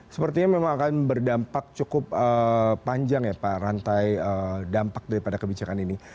sepertinya memang akan berdampak cukup panjang ya pak rantai dampak daripada kebijakan ini